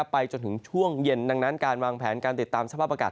ไปจนถึงช่วงเย็นดังนั้นการวางแผนการติดตามสภาพอากาศ